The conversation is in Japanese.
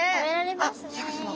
あっシャーク香音さま